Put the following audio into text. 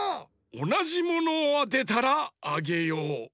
おなじものをあてたらあげよう。